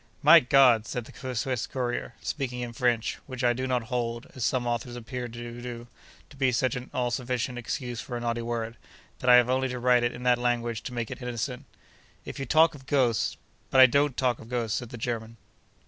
'My God!' said the Swiss courier, speaking in French, which I do not hold (as some authors appear to do) to be such an all sufficient excuse for a naughty word, that I have only to write it in that language to make it innocent; 'if you talk of ghosts—' 'But I don't talk of ghosts,' said the German.